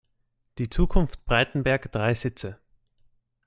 Die Zukunft Breitenberg drei Sitze.